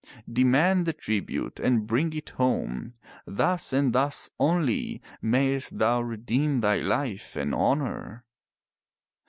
demand the tribute and bring it home. Thus and thus only mayest thou redeem thy life and honor.''